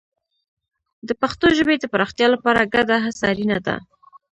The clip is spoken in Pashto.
د پښتو ژبې د پراختیا لپاره ګډه هڅه اړینه ده.